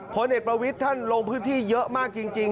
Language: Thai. ผลเอกประวิทย์ท่านลงพื้นที่เยอะมากจริง